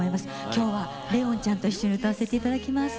今日はレオンちゃんと一緒に歌わせて頂きます。